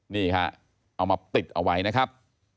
นี่ฮะเอามาติดเอาไว้นะครับ